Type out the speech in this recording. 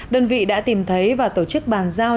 đơn vị đã tìm thấy và tổ chức bàn giao